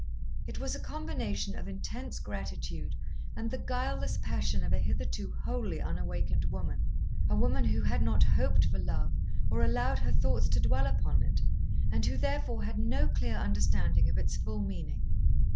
It was a combination of intense gratitude and the guileless passion of a hitherto wholly unawakened woman a woman who had not hoped for love or allowed her thoughts to dwell upon it, and who therefore had no clear understanding of its full meaning.